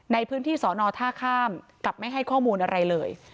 ในพื้นที่สอนอท่าข้ามกับไม่ให้ข้อมูลอะไรเลย